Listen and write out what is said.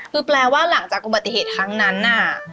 คือแปลว่าหลังจากประติศภัยทั้งนั้น